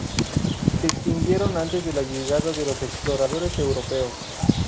Se extinguieron antes de la llegada de los exploradores europeos.